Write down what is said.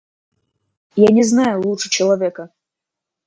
Я не знаю лучше человека.